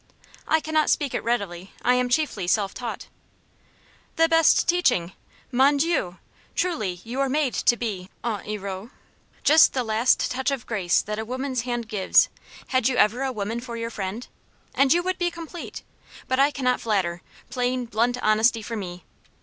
"I cannot speak it readily; I am chiefly self taught." "The best teaching. Mon dieu! Truly you are made to be 'un hero' just the last touch of grace that a woman's hand gives had you ever a woman for your friend? and you would be complete. But I cannot flatter plain, blunt honesty for me.